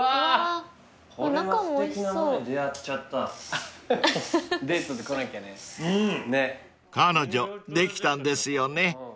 ［彼女できたんですよね］